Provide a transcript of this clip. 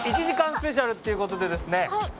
１時間スペシャルっていう事でですね